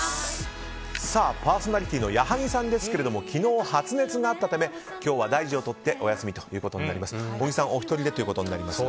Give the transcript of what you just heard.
パーソナリティーの矢作さんですけども昨日、発熱があったため今日は大事を取ってお休みということになります。